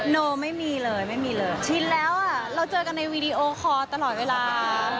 เลยไม่มีเลยไม่มีเลยเราเจอกันในวีดีโอโคตลอดเวลา